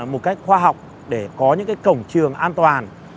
một cách khoa học để có những cái cổng trường an toàn